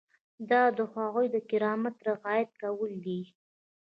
دا د هغوی د کرامت رعایت کول دي.